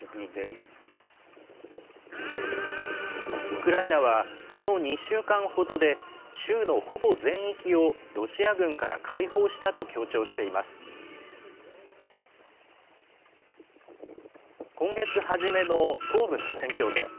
ウクライナは、この２週間ほどで、州のほぼ全域をロシア軍から解放したと強調しています。